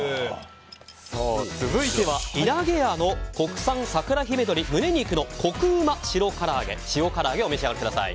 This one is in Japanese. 続いてはいなげやの国産桜姫鶏むね肉のコク旨塩唐揚お召し上がりください。